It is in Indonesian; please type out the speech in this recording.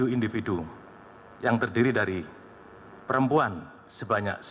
dua puluh tujuh individu yang terdiri dari perempuan sebanyak sembilan penumpang